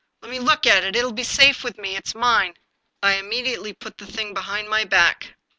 " Let me look at it ! It will be safe with me ! It's mine 1 " I immediately put the thing behind my back.